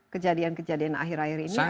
kejadian kejadian akhir akhir ini